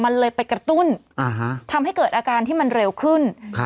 มันเลยไปกระตุ้นทำให้เกิดอาการที่มันเร็วขึ้น